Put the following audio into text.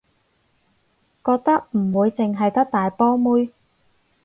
覺得唔會淨係得大波妹